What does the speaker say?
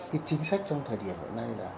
cái chính sách trong thời điểm hồi nay là